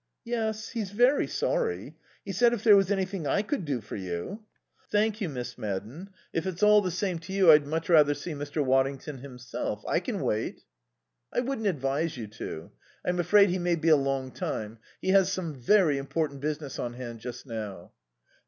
"Yes. He's very sorry. He said if there was anything I could do for you " "Thank you, Miss Madden. If it's all the same to you, I'd much rather see Mr. Waddington himself. I can wait." "I wouldn't advise you to. I'm afraid he may be a long time. He has some very important business on hand just now."